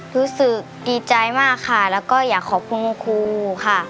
รู้สึกดีใจมากค่ะแล้วก็อยากขอบคุณคุณครูค่ะ